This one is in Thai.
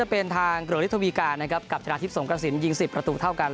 เป็นทางเกราะฤทธวิกากับชนะทิพย์สมกสินยิง๑๐ประตูเท่ากัน